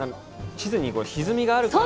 地図にひずみがあるから。